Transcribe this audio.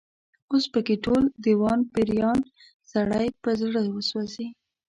اوس په کې ټول، دېوان پيریان، سړی په زړه وسوځي